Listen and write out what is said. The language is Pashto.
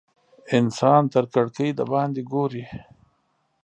انسان تر کړکۍ د باندې ګوري.